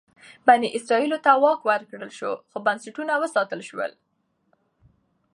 بني اسرائیلو ته واک ورکړل شو خو بنسټونه وساتل شول.